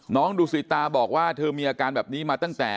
ดูสิตาบอกว่าเธอมีอาการแบบนี้มาตั้งแต่